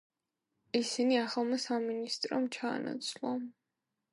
ისინი ახალმა სამინისტრო ჩაანაცვლა.